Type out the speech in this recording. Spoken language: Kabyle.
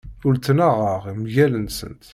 Ur ttnaɣeɣ mgal-nsent.